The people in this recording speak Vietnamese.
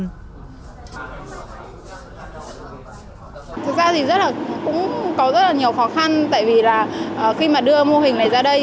thực ra thì rất là cũng có rất là nhiều khó khăn tại vì là khi mà đưa mô hình này ra đây